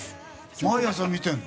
毎朝、見てるの？